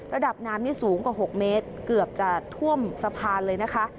ระดับน้ำนี่สูงกว่า๖เมตรเกือบจะท่วมสะพานเลยนะคะ